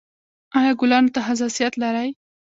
ایا ګلانو ته حساسیت لرئ؟